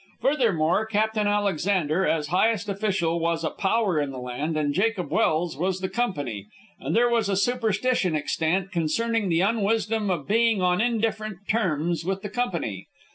Furthermore, Captain Alexander, as highest official, was a power in the land, and Jacob Welse was the Company, and there was a superstition extant concerning the unwisdom of being on indifferent terms with the Company.